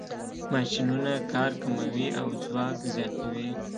ماشینونه کار کموي او ځواک زیاتوي.